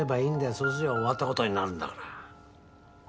そうすりゃ終わった事になるんだから。